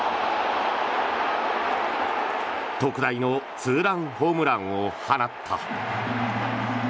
特大のツーランホームランを放った。